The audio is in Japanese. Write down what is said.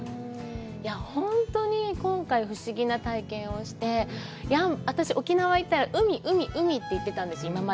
本当に今回、不思議な体験をして、私、沖縄行ったら、海、海、海って行ってたんですよ。